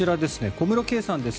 小室圭さんです。